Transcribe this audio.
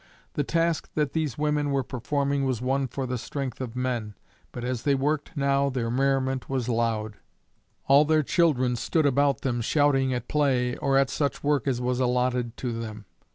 The task that these women were performing was one for the strength of men; but as they worked now their merriment was loud. All their children stood about them, shouting at play or at such work as was allotted to them.